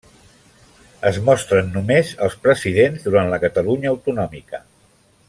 Es mostren només els presidents durant la Catalunya autonòmica.